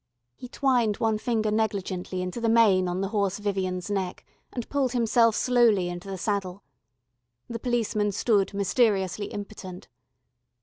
He twined one finger negligently into the mane on the Horse Vivian's neck, and pulled himself slowly into the saddle. The policeman stood mysteriously impotent.